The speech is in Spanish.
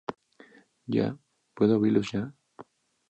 ¿ ya? ¿ puedo abrirlos ya?